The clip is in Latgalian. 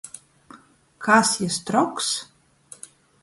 Kas jis — troks?!